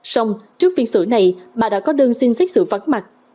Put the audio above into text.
xong trước phiên xử này bà đã có đơn xin xét xử vắng mặt